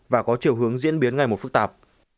và có chiều hướng diễn biến ngày một phức tạp